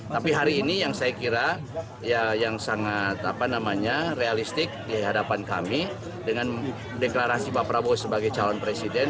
tapi hari ini yang saya kira yang sangat realistik di hadapan kami dengan deklarasi pak prabowo sebagai calon presiden